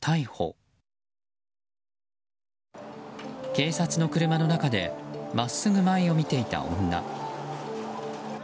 警察の車の中で真っすぐ前を見ていた女。